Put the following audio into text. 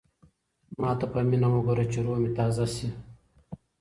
ما ته په مینه وګوره چې روح مې تازه شي.